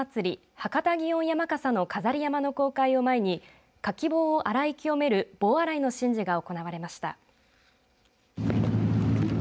博多祇園山笠の飾り山笠の公開を前にかき棒を洗い清める棒洗いの神事が行われました。